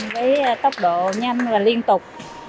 với tốc độ nhanh và liên tục